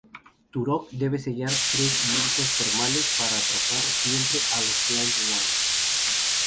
Turok debe sellar tres vientos termales para atrapar para siempre a los Blind Ones.